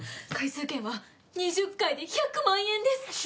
回数券は２０回で１００万円です。